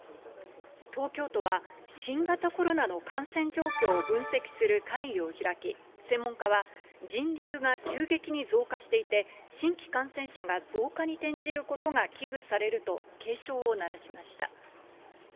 東京都は、新型コロナの感染状況を分析する会議を開き、専門家は、人流が急激に増加していて、新規感染者が増加に転じることが危惧されると警鐘を鳴らしました。